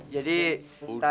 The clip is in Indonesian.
jadi tadi itu